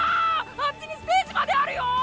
あっちにステージまであるよ！